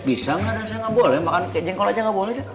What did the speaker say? bisa nggak saya nggak boleh makan kek jengkol aja nggak boleh